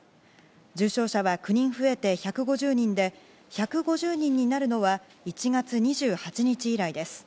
重症者は９人増えて１５０人で１５０人になるのは１月２８日以来です。